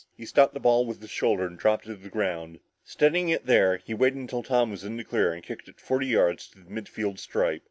He stopped the ball on his shoulder and dropped it to the ground. Steadying it there, he waited until Tom was in the clear and kicked it forty yards to the mid field stripe.